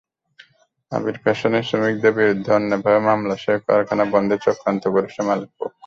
আবির ফ্যাশনের শ্রমিকদের বিরুদ্ধে অন্যায়ভাবে মামলাসহ কারখানা বন্ধের চক্রান্ত করেছে মালিকপক্ষ।